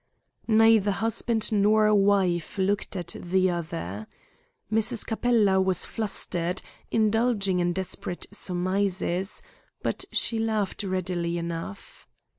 Neither husband nor wife looked at the other. Mrs. Capella was flustered, indulging in desperate surmises, but she laughed readily enough.